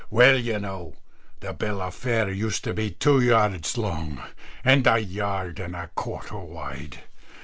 _ "Well, you know, the bill of fare used to be two yards long, and a yard and a quarter wide.